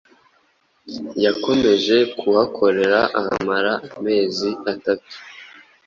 Yakomeje kuhakorera ahamara amezi atatu